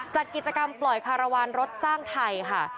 จัดกิจกรรมปล่อยคารวาลรถสร้างไทยค่ะ